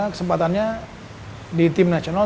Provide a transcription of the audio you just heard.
kesempatannya di tim nasional